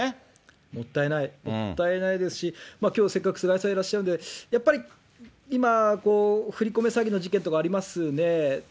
もったいないですし、きょうせっかく、菅井さんいらっしゃるので、やっぱり、今、振り込め詐欺の事件とかありますよね。